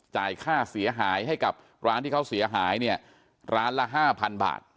จ่ายค่าเสียหายให้กับร้านที่เขาเสียหายเนี่ยร้านละห้าพันบาท